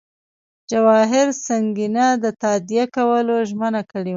جواهر سینګه د تادیه کولو ژمنه کړې وه.